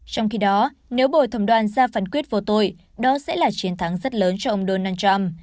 trong khi đó nếu bồi thẩm đoàn ra phán quyết vô tội đó sẽ là chiến thắng rất lớn cho ông donald trump